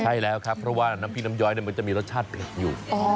ใช่แล้วครับเพราะว่าน้ำพริกน้ำย้อยมันจะมีรสชาติเผ็ดอยู่